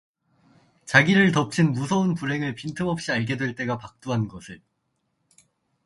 자기를 덮친 무서운 불행을 빈틈없이 알게 될 때가 박두한 것을